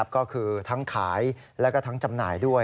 ก็คือทั้งขายแล้วก็ทั้งจำหน่ายด้วย